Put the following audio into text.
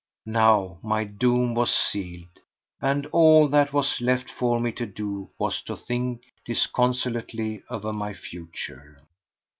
Now my doom was sealed, and all that was left for me to do was to think disconsolately over my future.